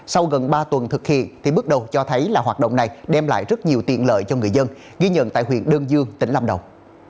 sau gần ba tuần thực hiện thì bước đầu cho thấy là hoạt động này đem lại rất nhiều tiện lợi cho người dân ghi nhận tại huyện đơn dương tỉnh lâm đồng